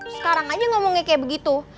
sekarang aja ngomongnya kayak begitu